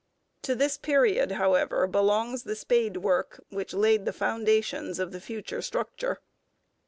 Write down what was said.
To this period, however, belongs the spadework which laid the foundations of the future structure.